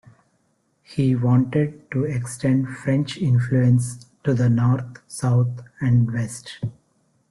He wanted to extend French influence to the north, south and west.